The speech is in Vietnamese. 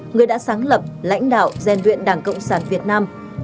người đã sáng lập lãnh đạo gian đuyện đảng cộng sản việt nam